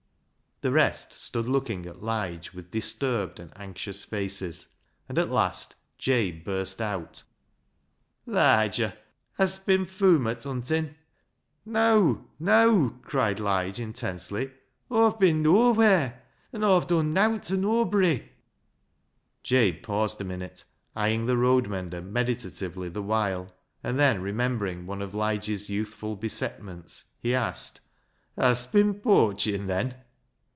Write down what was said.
The rest stood looking at Lige with disturbed and anxious faces, and at last Jabe burst out —" Liger, hast bin foomart huntin' ?"" Neaw ! neaw !" cried Lige intensely ;" Aw've bin noawheer, an' Aw've done nowt ta noabry." Jabe paused a minute, eyeing the road mender meditatively the while, and then remembering one of Lige's youthful besetments, he asked —" Hast bin pooachin' then